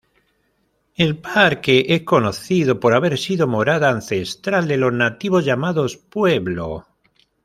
El parque es conocido por haber sido morada ancestral de los nativos llamados "Pueblo".